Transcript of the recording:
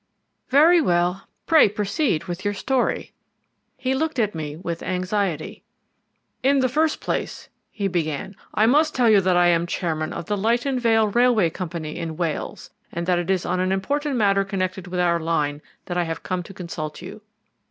"Very well; pray proceed with your story." He looked at me with anxiety. "In the first place," he began, "I must tell you that I am chairman of the Lytton Vale Railway Company in Wales, and that it is on an important matter connected with our line that I have come to consult you.